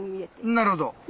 なるほど。